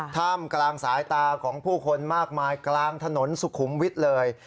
ท่ามกลางสายตาของผู้คนมากมายกลางถนนสุขุมวิทย์เลย